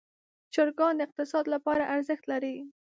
چرګان د اقتصاد لپاره ارزښت لري.